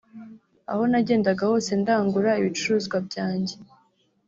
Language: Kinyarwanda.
Aho nagendaga hose ndangura ibicuruzwa byanjye